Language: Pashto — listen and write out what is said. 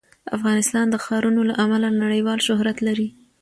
افغانستان د ښارونو له امله نړیوال شهرت لري.